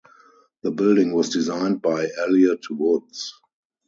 The building was designed by Elliott Woods.